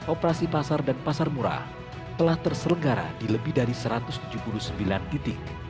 operasi pasar dan pasar murah telah terselenggara di lebih dari satu ratus tujuh puluh sembilan titik